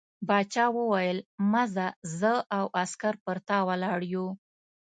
باچا وویل مه ځه زه او عسکر پر تا ولاړ یو.